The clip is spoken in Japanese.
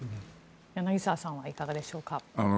柳澤さんはいかがでしょうか。